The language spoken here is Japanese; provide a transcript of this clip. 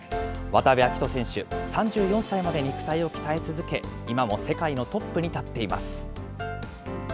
渡部暁斗選手、３４歳まで肉体を鍛え続け、今も世界のトップに立っています。